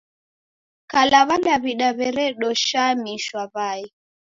Kala W'adaw'ida weredoshamisha w'ai.